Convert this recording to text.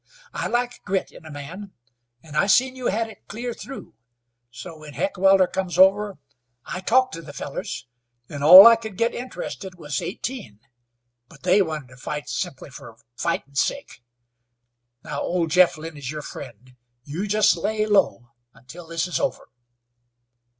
I like grit in a man, an' I seen you had it clear through. So when Heckewelder comes over I talked to the fellers, an' all I could git interested was eighteen, but they wanted to fight simply fer fightin' sake. Now, ole Jeff Lynn is your friend. You just lay low until this is over."